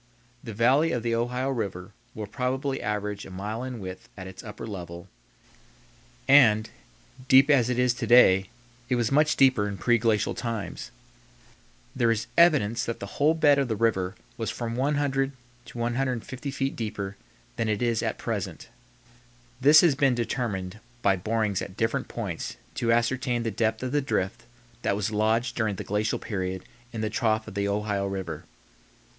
The valley of the Ohio River will probably average a mile in width at its upper level and, deep as it is to day, it was much deeper in preglacial times. There is evidence that the whole bed of the river was from 100 to 150 feet deeper than it is at present. This has been determined by borings at different points to ascertain the depth of the drift that was lodged during the glacial period in the trough of the Ohio River.